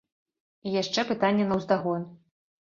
І яшчэ пытанне наўздагон.